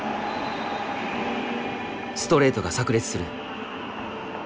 ストレートがさく裂する。